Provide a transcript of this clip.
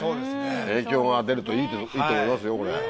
影響が出るといいと思いますよ。